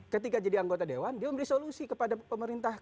ketika jadi anggota dewan dia memberi solusi kepada pemerintah